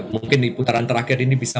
mungkin di putaran terakhir ini bisa